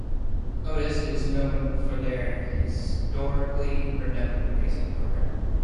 Otis is known for their historically renowned racing program.